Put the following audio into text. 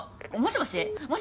もしもし！